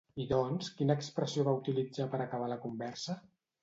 I doncs, quina expressió va utilitzar per a acabar la conversa?